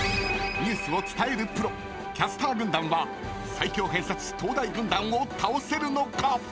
［ニュースを伝えるプロキャスター軍団は最強偏差値東大軍団を倒せるのか⁉］